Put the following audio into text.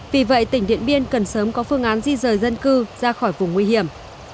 vì vậy tỉnh điện biên cần sớm có phương án di rời dân cư ra khỏi vùng nguy hiểm